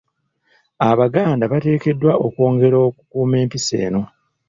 Abaganda bateekeddwa okwongera okukuuma empisa eno.